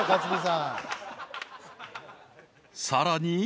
［さらに］